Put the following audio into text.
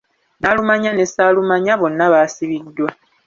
Naalumanya ne ssaalumanya bonna baasibiddwa.